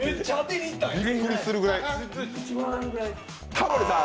タモリさん！